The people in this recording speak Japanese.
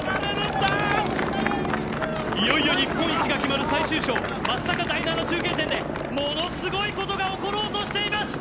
いよいよ日本一が決まる最終章松阪第７中継点でものすごいことが起ころうとしています！